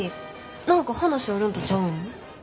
何か話あるんとちゃうん？